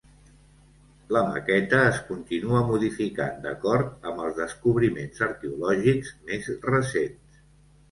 La maqueta es continua modificant d'acord amb els descobriments arqueològics més recents.